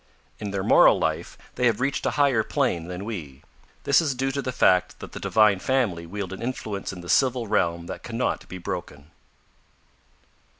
In their moral life they have reached a higher plane than we. This is due to the fact that the Divine Family wield an influence in the civil realm that cannot be broken.